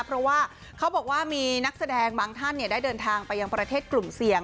เพราะว่าเขาบอกว่ามีนักแสดงบางท่านได้เดินทางไปยังประเทศกลุ่มเสี่ยง